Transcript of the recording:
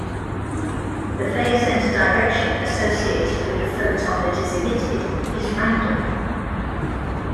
The phase and direction associated with the photon that is emitted is random.